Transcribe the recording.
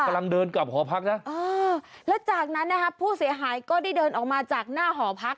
และจากนั้นผู้เสียหายก็ได้เดินออกมาจากหน้าหอพัก